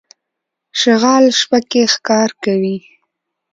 شغال شپه کې ښکار کوي.